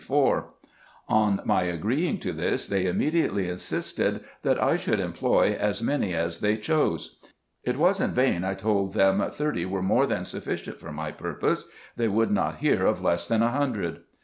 On !)4 RESEARCHES AND OPERATIONS my agreeing to this, they immediately insisted, that I should employ as many as they chose. It was in vain I told them, thirty were more than sufficient for my purpose ; they would not hear of less than a hundred.